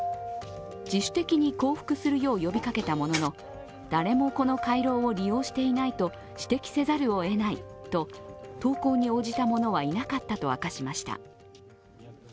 自主的に降伏するよう呼びかけたものの、誰もこの回廊を利用していないと指摘せざるをえないと投降に応じたものはいなかったと明かしました。